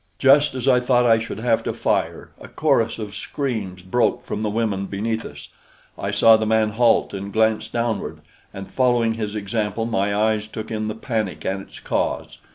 Just as I thought I should have to fire, a chorus of screams broke from the women beneath us. I saw the man halt and glance downward, and following his example my eyes took in the panic and its cause.